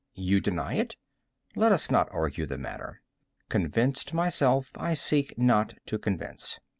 You deny it?—let us not argue the matter. Convinced myself, I seek not to convince.